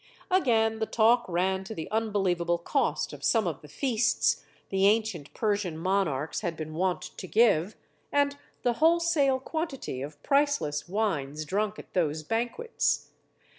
Again, the talk ran to the unbelievable cost of some of the feasts the ancient Persian monarchs had been wont to give, and the wholesale quantity of priceless wines drunk at those banquets.